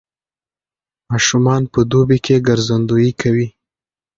ماشومان په دوبي کې ګرځندويي کوي.